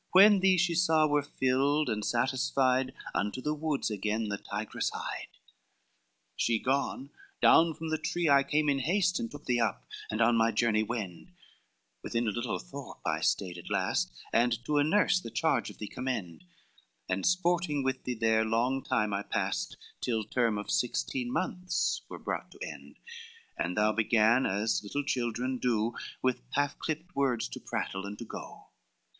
When thee she saw well filled and satisfied, Unto the woods again the tigress hied. XXXII "She gone, down from the tree I came in haste, And took thee up, and on my journey wend, Within a little thorp I stayed at last, And to a nurse the charge of thee commend, And sporting with thee there long time I passed, Till term of sixteen months were brought to end, And thou begun, as little children do, With half clipped words to prattle, and to go.